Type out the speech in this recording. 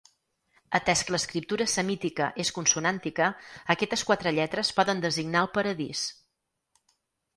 Atès que l'escriptura semítica és consonàntica, aquestes quatre lletres poden designar el Paradís.